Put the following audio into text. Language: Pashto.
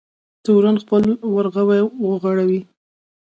تورن خپل ورغوی وغوړوی.